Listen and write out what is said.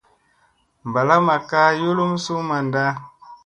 Mbala makka yulum su manda.